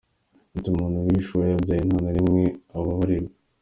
Ati “Umuntu wishe uwo yabyaye nta narimwe ababarirwa”.